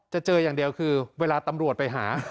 เจออย่างเดียวคือเวลาตำรวจไปหา